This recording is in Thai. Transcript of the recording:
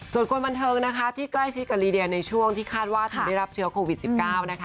ส่วนคนบันเทิงนะคะที่ใกล้ชิดกับลีเดียในช่วงที่คาดว่าเธอได้รับเชื้อโควิด๑๙นะคะ